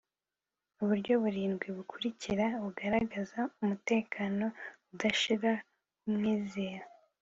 Uburyo burindwi bukurikira bugaragaza umutekano udashira w'umwizera,